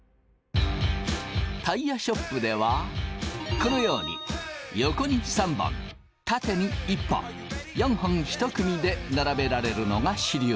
タイヤショップではこのように横に３本縦に１本４本１組で並べられるのが主流。